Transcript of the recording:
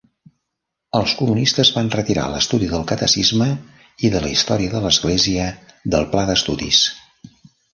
Els comunistes van retirar l'estudi del catecisme i de la història de l'església del pla d'estudis.